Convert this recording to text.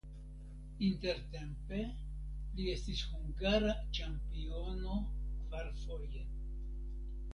Intertempe li estis hungara ĉampiono kvarfoje.